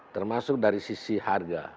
termasuk dari sisi harga